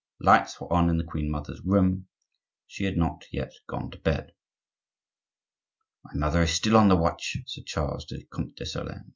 Lights were on in the queen mother's room; she had not yet gone to bed. "My mother is still on the watch," said Charles to the Comte de Solern.